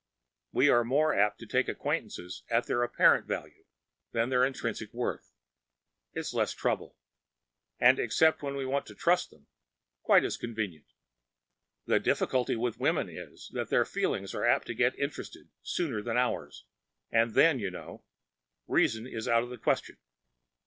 We are more apt to take acquaintances at their apparent value than their intrinsic worth. It’s less trouble, and except when we want to trust them, quite as convenient. The difficulty with women is that their feelings are apt to get interested sooner than ours, and then, you know, reasoning is out of the question.